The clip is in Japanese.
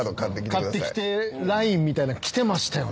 買ってきてＬＩＮＥみたいな来てましたよね。